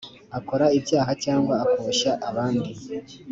akora ibyaha cyangwa akoshya abandi